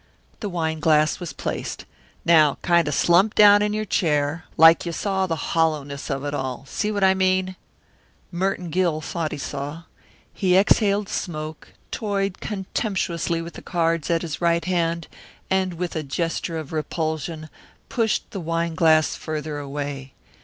The wine glass was placed. "Now kind of slump down in your chair, like you saw the hollowness of it all see what I mean?" Merton Gill thought he saw. He exhaled smoke, toyed contemptuously with the cards at his right hand and, with a gesture of repulsion, pushed the wine glass farther away.